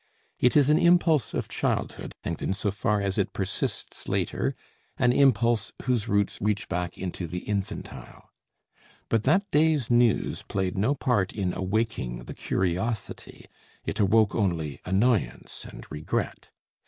It is an impulse of childhood, and in so far as it persists later, an impulse whose roots reach back into the infantile. But that day's news played no part in awaking the curiosity, it awoke only annoyance and regret.